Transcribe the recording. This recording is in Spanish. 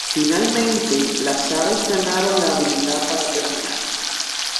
Finalmente, las aves ganaron la habilidad para planear.